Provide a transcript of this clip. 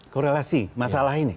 korelasi masalah ini